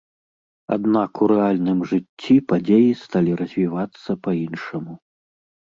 Аднак у рэальным жыцці падзеі сталі развівацца па-іншаму.